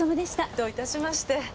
どういたしまして。